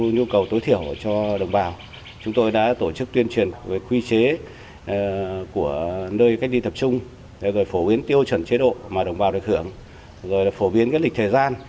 nơi cách ly tập trung phổ biến tiêu chuẩn chế độ mà đồng bào được hưởng phổ biến lịch thời gian